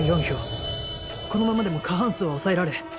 このままでも過半数は押さえられ